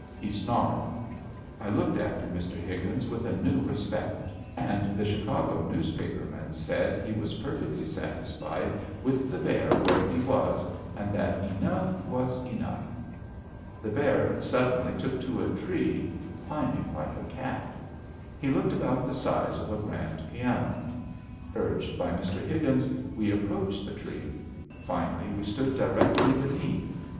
He snarled. I looked after Mr. Higgins with a new respect, and the Chicago newspaper man said he was perfectly satisfied with the bear where he was, and that enough was enough. The bear suddenly took to a tree, climbing like a cat. He looked about the size of a grand piano. Urged by Mr. Higgins, we approached the tree. Finally we stood directly beneath.